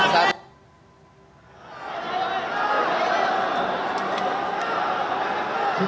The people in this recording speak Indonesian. jangan kembali ke tempat